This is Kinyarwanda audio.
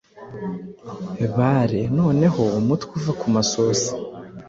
Bare noneho umutwe uva kumasosi